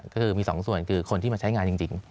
ก็คือมี๒ส่วนคือคนที่มาใช้งานจริง